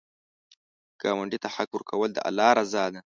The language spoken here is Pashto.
ګاونډي ته حق ورکول، د الله رضا ده